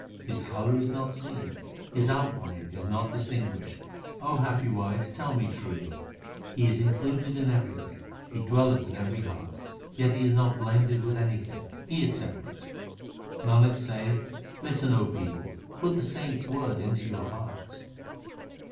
His colour is not seen ; His outline is not distinguished ; O happy wives, tell me truly He is included in everything ; He dwelleth in every heart, yet He is not blended with anything ; He is separate. Nanak saith, Listen, O ye people, put the saints word into your hearts.